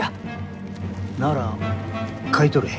なら買い取れ。